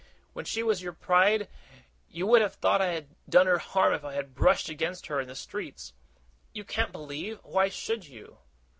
When she was your pride, you would have thought I had done her harm if I had brushed against her in the street. You can't believe why should you?